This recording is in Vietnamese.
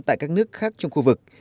tại các nước khác trong khu vực